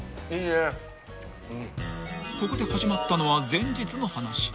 ［ここで始まったのは前日の話］